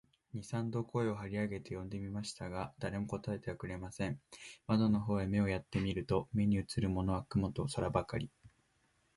二三度声を張り上げて呼んでみましたが、誰も答えてくれません。窓の方へ目をやって見ると、目にうつるものは雲と空ばかり、